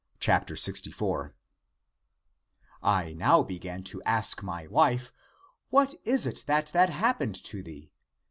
" I now began to ask my wife. What is it that had happened to thee?